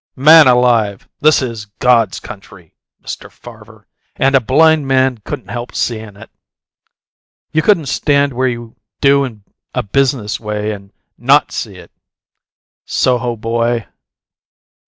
Man alive! this is God's country, Mr. Farver, and a blind man couldn't help seein' it! You couldn't stand where you do in a business way and NOT see it. Soho, boy!